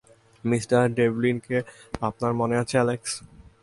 Mister ডেভলিনকে আপনার মনে আছে, অ্যালেক্স?